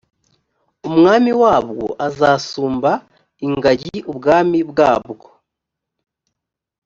umwami wabwo azasumba ingagi ubwami bwabwo